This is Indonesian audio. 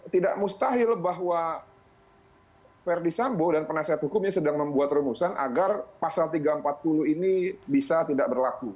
tidak mustahil bahwa verdi sambo dan penasihat hukumnya sedang membuat rumusan agar pasal tiga ratus empat puluh ini bisa tidak berlaku